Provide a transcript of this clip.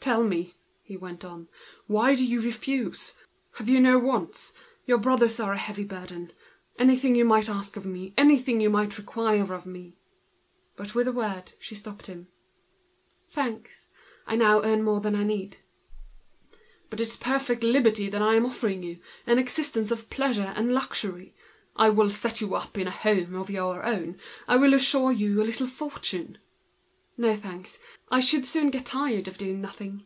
"Tell me. Why do you refuse? Have you no wants? Your brothers are a heavy burden. Anything you might ask me, anything you might require of me." With a word, she stopped him: "Thanks, I now earn more than I want." "But it's perfect liberty that I am offering you, an existence of pleasure and luxury. I will set you up in a home of your own. I will assure you a little fortune." "No, thanks; I should soon get tired of doing nothing.